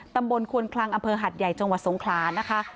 ตำรวจควนคลังอำเภอหัดใหญ่จสงครานะคะ